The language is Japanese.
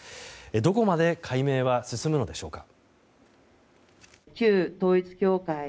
どこまで解明は進むのでしょうか。